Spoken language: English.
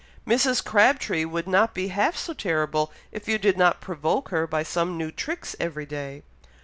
Mrs. Crabtree would not be half so terrible if you did not provoke her by some new tricks every day.